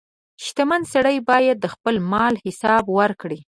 • شتمن سړی باید د خپل مال حساب وکړي.